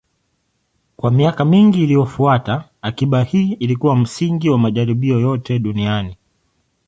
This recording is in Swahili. Kwa miaka mingi iliyofuata, akiba hii ilikuwa msingi wa majaribio yote duniani.